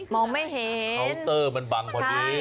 มองไม่เห็นเคาน์เตอร์มันบังพอดี